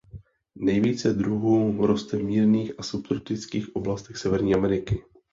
Nejvíce druhů roste v mírných a subtropických oblastech Severní Ameriky.